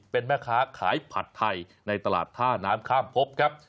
เป็นแม่ค้าขายผัดไทยในตลาดท่าน้ำข้ามพบครับ